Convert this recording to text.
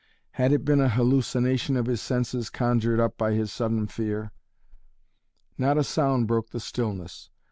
Had it been a hallucination of his senses conjured up by his sudden fear? Not a sound broke the stillness.